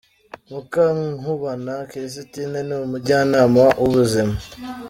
Mukankubana kirisitine, ni umujyanama w’ubuzima.